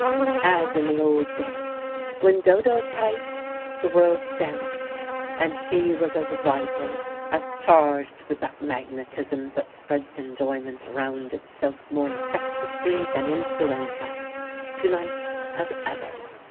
As in the old days, when Dodo piped, the world danced, and she was as vital, as charged with that magnetism that spreads enjoyment round itself more infectiously than influenza, to night as ever.